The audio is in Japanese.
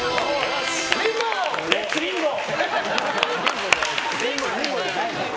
レッツリンボー！